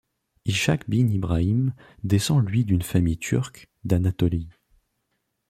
Ishak bin Ibrahim descend lui d'une famille turque d'Anatolie.